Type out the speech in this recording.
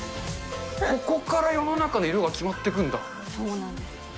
ここから世の中の色が決まっそうなんです。